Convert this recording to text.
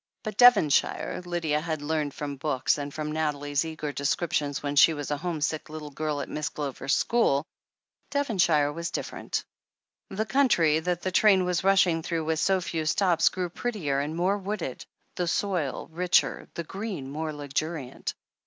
But Devonshire, Lydia had learnt from books and from Nathalie's eager descriptions when she was a homesick little girl at Miss Glover's school — ^Devon shire was different. The country that the train was rushing through with so few stops grew prettier and more wooded, the soil richer, the green more luxuriant.